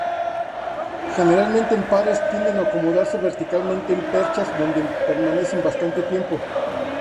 Generalmente en pares, tienden a acomodarse verticalmente en perchas, donde permanecen bastante tiempo.